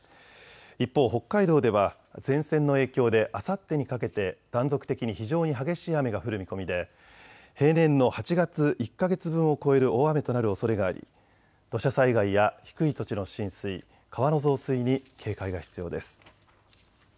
一方、北海道では前線の影響であさってにかけて断続的に非常に激しい雨が降る見込みで平年の８月１か月分を超える大雨となるおそれがあり土砂災害や低い土地の浸水、川の増水に警戒が必要です。